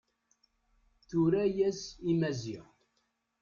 Tura-yas i Maziɣ.